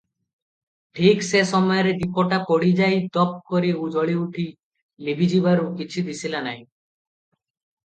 ଠିକ୍ ସେ ସମୟରେ ଦୀପଟା ପୋଡ଼ିଯାଇ ଦପ୍ କରି ଜଳିଉଠି ଲିଭିଯିବାରୁ କିଛି ଦିଶିଲା ନାହିଁ ।